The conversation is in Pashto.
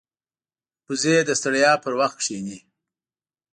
وزې د ستړیا پر وخت کښیني